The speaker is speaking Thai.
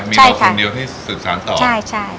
มีเราคนเดียวที่สื่อสารต่อ